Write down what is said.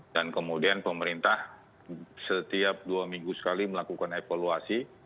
dan kemudian pemerintah setiap dua minggu sekali melakukan evaluasi